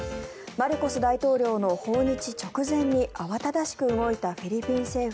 マルコス大統領の訪日直前に慌ただしく動いたフィリピン政府。